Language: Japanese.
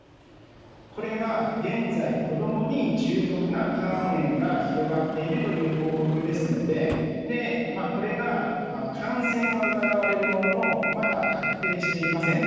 これは現在、子供に重篤な肝炎が広がっているという報告ですのでこれが感染は疑われるもののまだ、確定していません。